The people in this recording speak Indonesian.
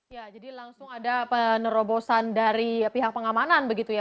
ya jadi langsung ada penerobosan dari pihak pengamanan begitu ya